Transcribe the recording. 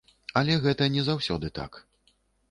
Але гэта не заўсёды так.